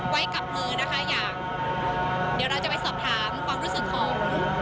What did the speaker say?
ไว้กับมือนะคะอยากเดี๋ยวเราจะไปสอบถามความรู้สึกของ